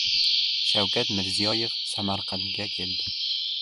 Shavkat Mirziyoyev Samarqandga keldi